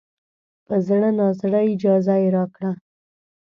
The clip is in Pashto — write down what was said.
په زړه نازړه اجازه یې راکړه.